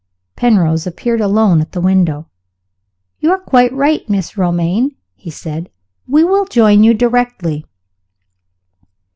Penrose appeared alone at the window. "You are quite right, Mrs. Romayne," he said; "we will join you directly."